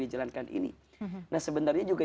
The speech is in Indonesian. dijalankan ini nah sebenarnya juga